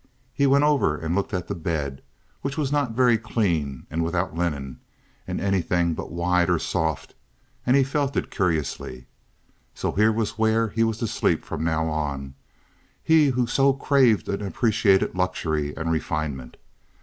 He went over and looked at the bed, which was not very clean and without linen, and anything but wide or soft, and felt it curiously. So here was where he was to sleep from now on—he who so craved and appreciated luxury and refinement.